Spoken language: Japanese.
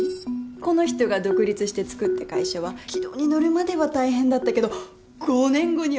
この人が独立してつくった会社は軌道に乗るまでは大変だったけど５年後には大当たり。